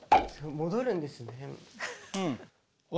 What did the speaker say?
戻るんですね。